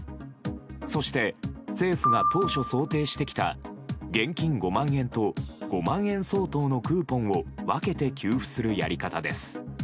そして、政府が当初想定してきた現金５万円と５万円相当のクーポンを分けて給付するやり方です。